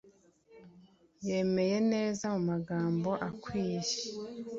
Yemeye neza mu magambo akwiye